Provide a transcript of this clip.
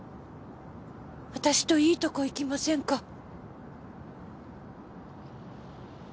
私といいとこ行きませんか？